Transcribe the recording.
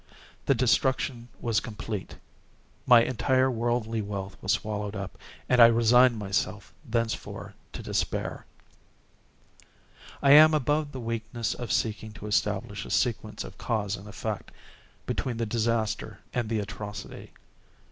The destruction was complete. My entire worldly wealth was swallowed up, and I resigned myself thenceforward to despair. I am above the weakness of seeking to establish a sequence of cause and effect, between the disaster and the atrocity.